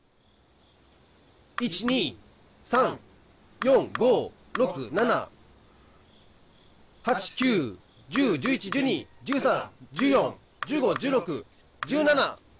１２３４５６７８９１０１１１２１３１４１５１６１７。